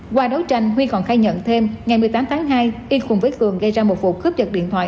qua đấu tranh huy còn khai nhận thêm ngày một mươi tám tháng hai y cùng với cường gây ra một vụ cướp dật điện thoại